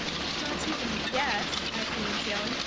"Not even a guess?" asked Nancy Ellen.